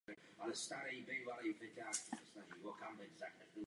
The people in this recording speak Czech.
Příchod Teťany je považován za pravý počátek kapely.